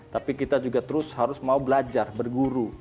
tapi kita juga terus harus mau belajar berguru